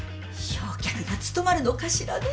正客が務まるのかしらね